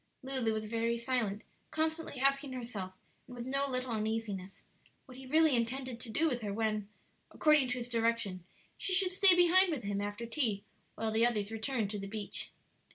Lulu was very silent, constantly asking herself, and with no little uneasiness, what he really intended to do with her when, according to his direction, she should stay behind with him after tea while the others returned to the beach.